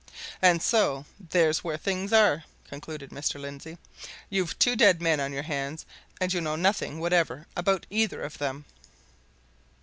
"And so there's where things are," concluded Mr. Lindsey. "You've two dead men on your hands, and you know nothing whatever about either of them!"